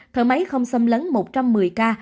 thở máy không xâm lấn một trăm một mươi ca